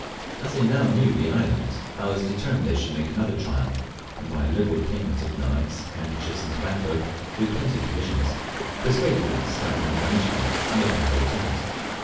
As they now knew the island, I was determined they should make another trial, and (by a liberal payment of knives, handkerchiefs, and tobacco, with plenty of provisions) persuaded them to start back immediately, and make another attempt.